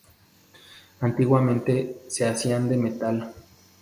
Antiguamente se hacían de metal.